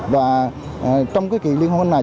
và trong cái kỳ liên hoan này chúng tôi